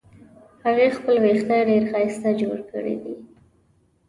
هغې خپل وېښته ډېر ښایسته جوړ کړې دي